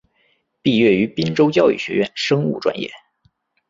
毕业于滨州教育学院生物专业。